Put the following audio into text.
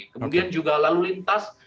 kemudian juga lalu lintas